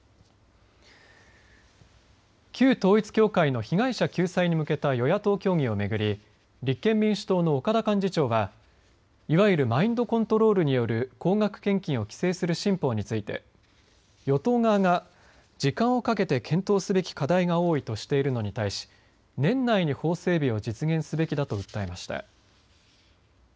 旧統一教会の被害者救済に向けた与野党協議を巡り立憲民主党の岡田幹事長がいわゆるマインドコントロールによる高額献金を規制する新法について与党側が時間をかけて検討すべき課題が多いとしているのに対し年内に法整備を実現すべきだと訴えました。